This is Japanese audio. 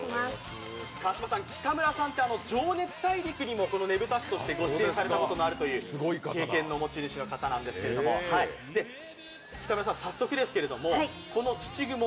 川島さん、北村さんって「情熱大陸」にもこのねぶた師としてご出演されたともあるという経験の持ち主の方なんですけど、北村さん、早速ですけどこの「土蜘蛛」